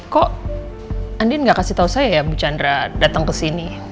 kok andin gak kasih tau saya ya bu chandra datang ke sini